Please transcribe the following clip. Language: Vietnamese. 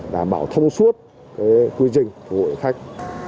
đảm bảo thông suốt quy định của hội khách